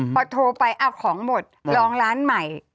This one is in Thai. พอโทรไปเอาของหมดลองร้านใหม่